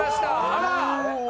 あら！